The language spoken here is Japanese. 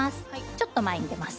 ちょっと前に出ます。